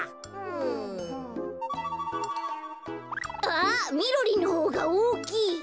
あっみろりんのほうがおおきい！